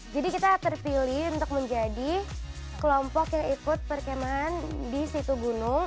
jadi kita terpilih untuk menjadi kelompok yang ikut perkemahan di situ gunung